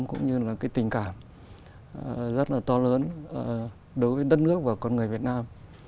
cũng như là cái tình cảm rất là to lớn đối với đất nước và con người việt nam